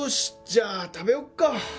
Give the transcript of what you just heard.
じゃあ食べよっか。